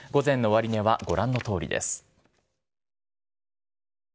午前の終値はご覧のとおりです。